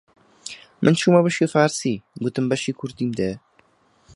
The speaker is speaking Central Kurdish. من چوومە بەشی فارسی، گوتم بەشی کوردیم دەوێ